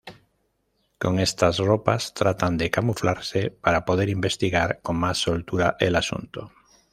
Con estas ropas tratan de camuflarse para poder investigar con más soltura el asunto.